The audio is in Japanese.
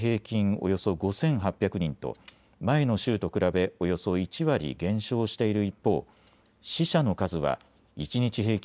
およそ５８００人と前の週と比べおよそ１割減少している一方、死者の数は一日平均